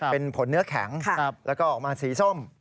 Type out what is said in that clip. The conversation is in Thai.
เป็นผลเนื้อแข็งแล้วก็ออกมาสีส้ม